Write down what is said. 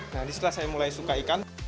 nah disitulah saya mulai suka ikan